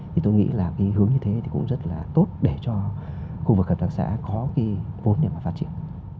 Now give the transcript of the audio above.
thì tôi nghĩ là cái hướng như thế thì cũng rất là tốt để cho khu vực hợp tác xã có cái vốn để mà phát triển